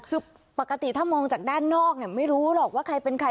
คือปกติถ้ามองจากด้านนอกเนี่ยไม่รู้หรอกว่าใครเป็นใคร